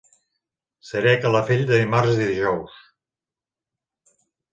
Seré a Calafell de dimarts a dijous.